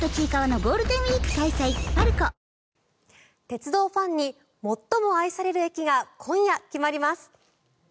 鉄道ファンに最も愛される駅が今夜、決まります。